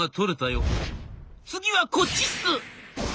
「次はこっちっす」。